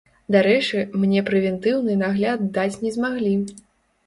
Дарэчы, мне прэвентыўны нагляд даць не змаглі.